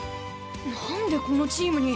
なんでこのチームに？